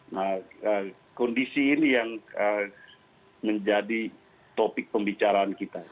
nah kondisi ini yang menjadi topik pembicaraan kita